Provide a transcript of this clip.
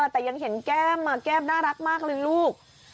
แต่ยังเห็นแก้มแก้มน่ารักมากเลยลูก